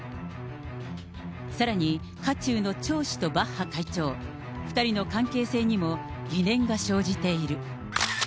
さらに、渦中の張氏とバッハ会長、２人の関係性にも、疑念が生じている。